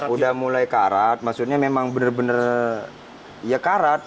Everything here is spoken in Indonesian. udah mulai karat maksudnya memang bener bener ya karat